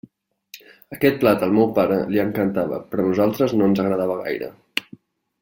Aquest plat, al meu pare, li encantava, però a nosaltres no ens agradava gaire.